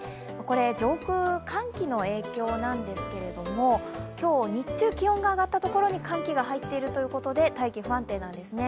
上空、寒気の影響なんですけれども、今日、日中、気温が上がったところに寒気が入っているということで大気、不安定なんですね。